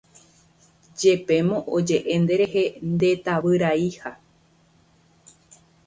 Jepémo oje'e nderehe ndetavyraiha.